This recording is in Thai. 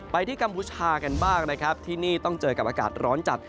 ที่กัมพูชากันบ้างนะครับที่นี่ต้องเจอกับอากาศร้อนจัด